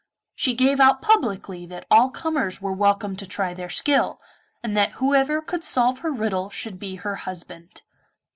She gave out publicly that all comers were welcome to try their skill, and that whoever could solve her riddle should be her husband.